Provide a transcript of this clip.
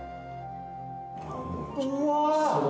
うわ。